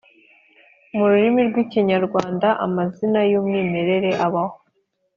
mu rurimi rw’Ikimyarwanda, amazina y’umwimerere abaho